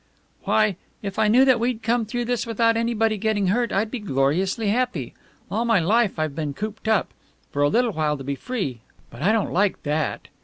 "Why, if I knew that we'd come through this without anybody getting hurt I'd be gloriously happy. All my life I've been cooped up. For a little while to be free! But I don't like that."